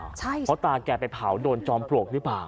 เพราะตาแกไปเผาโดนจอมปลวกหรือเปล่า